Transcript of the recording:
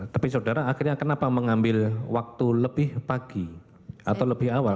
tapi saudara akhirnya kenapa mengambil waktu lebih pagi atau lebih awal